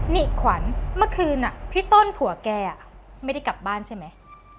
นี่ขวัญเมื่อคืนพี่ต้นผัวแกไม่ได้กลับบ้านใช่ไหม